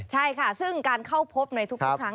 ใช่ค่ะซึ่งการเข้าพบในทุกครั้ง